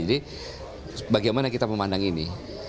jadi bagaimana kita memandang ini